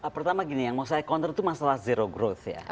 pertama gini yang mau saya counter itu masalah zero growth ya